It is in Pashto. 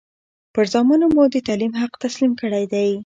پر زامنو مو د تعلیم حق تسلیم کړی دی.